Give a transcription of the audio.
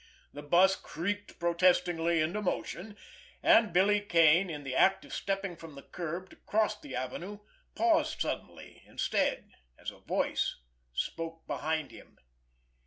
The bus creaked protestingly into motion, and Billy Kane, in the act of stepping from the curb to cross the Avenue, paused suddenly, instead, as a voice spoke behind him.